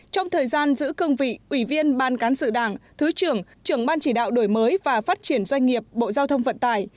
trong thời gian giữ cương vị ủy viên ban cán sự đảng thứ trưởng trưởng ban chỉ đạo đổi mới và phát triển doanh nghiệp bộ giao thông vận tải